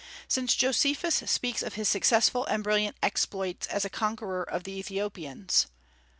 since Josephus speaks of his successful and brilliant exploits as a conqueror of the Ethiopians.